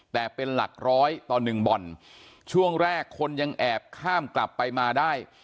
แต่เป็นหลักร้อยต่อหนึ่งบ่อนช่วงแรกคนยังแอบข้ามกลับไปมาได้